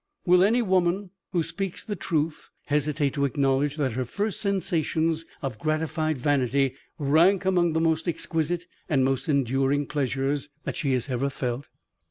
Will any woman, who speaks the truth, hesitate to acknowledge that her first sensations of gratified vanity rank among the most exquisite and most enduring pleasures that she has ever felt?